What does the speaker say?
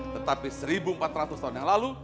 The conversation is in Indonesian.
tetapi seribu empat ratus tahun yang lalu